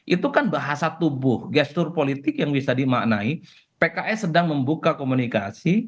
itu kan bahasa tubuh gestur politik yang bisa dimaknai pks sedang membuka komunikasi